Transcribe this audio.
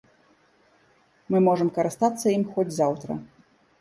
Мы можам карыстацца ім хоць заўтра.